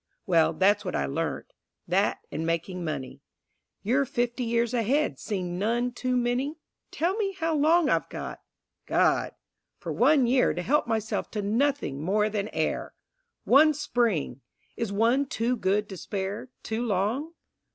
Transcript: Well, that's what I learnt, that, and making money. Your fifty years ahead seem none too many? Tell me how long I've got? God! For one year To help myself to nothing more than air! One Spring! Is one too good to spare, too long?